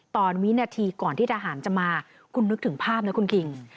วินาทีก่อนที่ทหารจะมาคุณนึกถึงภาพนะคุณคิง